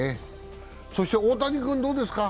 そして大谷君はどうですか？